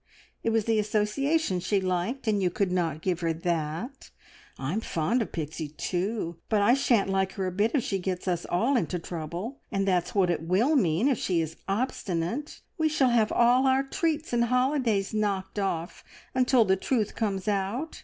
It was the association she liked, and you could not give her that. I'm fond of Pixie too, but I shan't like her a bit if she gets us all into trouble, and that's what it will mean if she is obstinate. We shall have all our treats and holidays knocked off until the truth comes out.